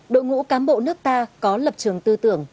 đội ngũ cán bộ nước ta có lập trường tư tưởng